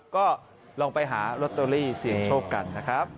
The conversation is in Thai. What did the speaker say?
ก็ลองไปหาลอตเตอรี่เสี่ยงโชคกันนะครับ